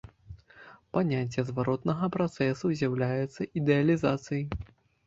Паняцце зваротнага працэсу з'яўляецца ідэалізацыяй.